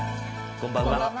こんばんは。